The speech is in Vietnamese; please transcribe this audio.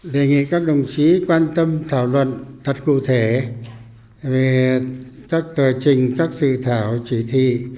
đề nghị các đồng chí quan tâm thảo luận thật cụ thể về các tờ trình các dự thảo chỉ thị